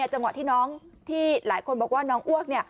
จังหวะที่น้องที่หลายคนบอกว่าน้องอ้วก